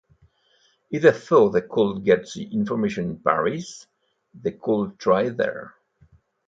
If they thought they could get the information in Paris they would try there.